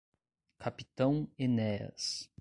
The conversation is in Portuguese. Capitão Enéas